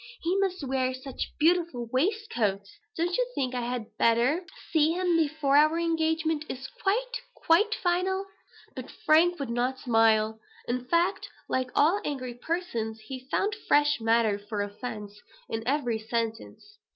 He must wear such beautiful waistcoats! Don't you think I had better see him before our engagement is quite, quite final?" But Frank would not smile. In fact, like all angry persons, he found fresh matter for offence in every sentence.